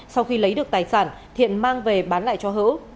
sau khi lấy được tài sản thiện mang về bán lại cho hữu